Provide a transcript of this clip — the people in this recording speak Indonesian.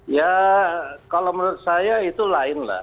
ya kalau menurut saya itu lain lah